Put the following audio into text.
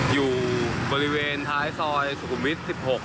อยู่บริเวณท้ายซอยสุขุมวิทย์๑๖